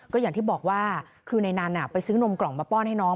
ก็อย่างที่บอกว่าคือในนั้นไปซื้อนมกล่องมาป้อนให้น้อง